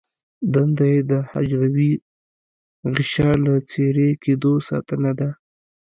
دنده یې د حجروي غشا له څیرې کیدو ساتنه ده.